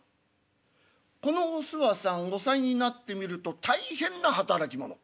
このおすわさん後妻になってみると大変な働き者。